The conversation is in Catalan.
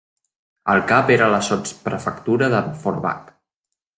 El cap era la sotsprefectura de Forbach.